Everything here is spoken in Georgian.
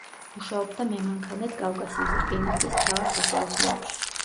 მუშაობდა მემანქანედ კავკასიის რკინიგზის მთავარ სახელოსნოებში.